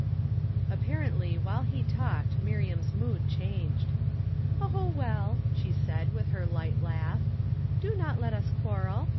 Apparently while he talked ^liriam's mood changed. " Oh, well," she said, with her light laugh, '> do not let us quarrel.